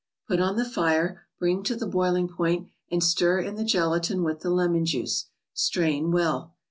Put on the fire, bring to the boiling point and stir in the gelatine with the lemon juice; strain well.